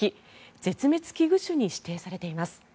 絶滅危惧種に指定されています。